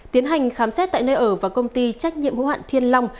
tiến hành khám xét tại nơi ở và công ty trách nhiệm hữu hạn thiên long